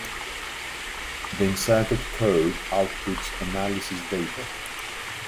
That inserted code outputs analysis data.